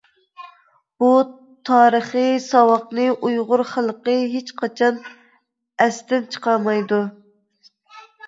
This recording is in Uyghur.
بۇ تارىخىي ساۋاقنى ئۇيغۇر خەلقى ھېچ قاچان ئەستىن چىقارمايدۇ.